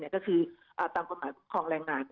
ก็คือตามกฎหมายคุ้มครองแรงงาน